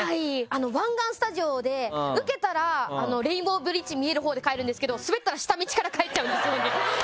湾岸スタジオでウケたらレインボーブリッジ見えるほうで帰るんですけどスベったら下道から帰っちゃうんです。